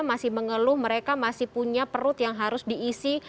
masih mengeluh mereka masih punya perut yang harus diisi